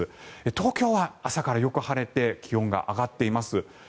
東京は朝からよく晴れて気温が上がっています。